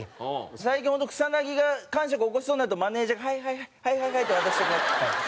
最近本当草薙がかんしゃく起こしそうになるとマネジャーが「はいはいはいはいはいはい」って渡して。